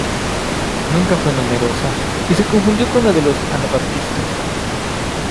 Nunca fue numerosa y se confundió con la de los anabaptistas.